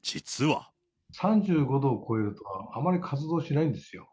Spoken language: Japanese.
３５度を超えると、あまり活動しないんですよ。